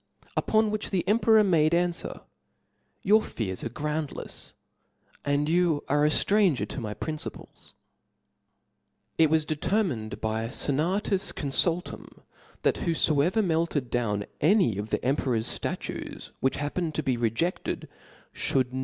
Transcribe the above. Upon which the emperor made anfwer, ^^ Tour fears arcgroundlefs fj and you are aftranger to «gr principles^ It was determined by a fenatus confultum (*), (0 See the that whofoever melted down any of the emperor's ^^adUg^!^ ftatues, which happened to be rejefted, (hould